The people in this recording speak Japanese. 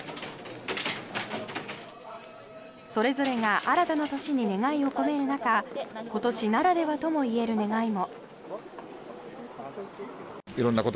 それぞれが新たな年に願いを込める中今年ならではともいえる願いも。